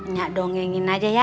nyak dongingin aja ya